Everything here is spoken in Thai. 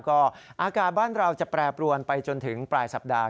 ก็อากาศบ้านเราจะแปรปรวนไปจนถึงปลายสัปดาห